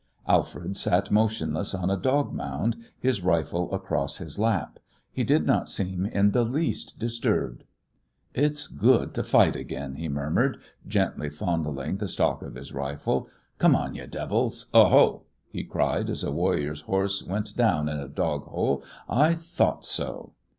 Alfred sat motionless on a dog mound, his rifle across his lap. He did not seem in the least disturbed. "It's good to fight again," he murmured, gently fondling the stock of his rifle. "Come on, ye devils! Oho!" he cried as a warrior's horse went down in a dog hole, "I thought so!"